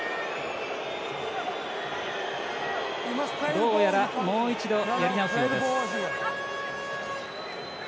どうやらもう一度やり直すようです。